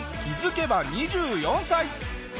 気づけば２４歳。